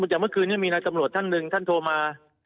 ยังเมื่อคืนนี้อยู่กับท่านหนึ่งท่านโทรมา